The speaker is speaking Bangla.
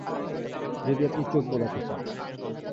যদি আপনি চোখ বোলাতে চান।